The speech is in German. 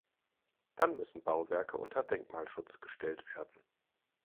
Dann müssen Bauwerke unter Denkmalschutz gestellt werden.